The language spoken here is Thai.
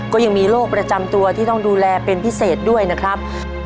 ก็ยังมีโรคประจำตัวที่ต้องดูแลเป็นพิเศษด้วยนะครับ